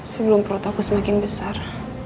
sebelum perut aku semakin besar